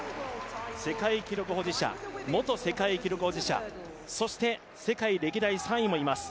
世界記録保持者、元世界記録保持者、そして、世界歴代３位もいます。